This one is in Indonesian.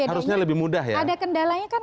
harusnya lebih mudah ya ada kendalanya kan